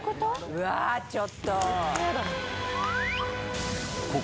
うわちょっと！